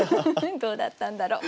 どうだったんだろう？